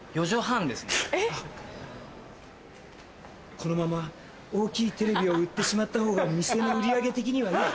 このまま大きいテレビを売ってしまった方が店の売り上げ的にはいい。